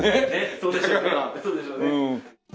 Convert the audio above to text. そうでしょうね。